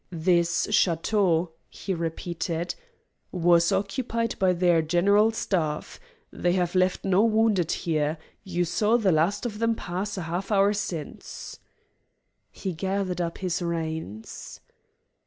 "This château," he repeated, "was occupied by their General Staff; they have left no wounded here; you saw the last of them pass a half hour since." He gathered up his reins.